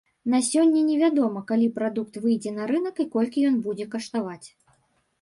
На сёння невядома, калі прадукт выйдзе на рынак і колькі ён будзе каштаваць.